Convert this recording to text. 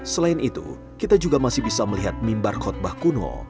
selain itu kita juga masih bisa melihat mimbar khutbah kuno